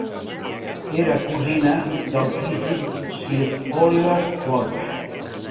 Era cosina del físic Sir Oliver Lodge.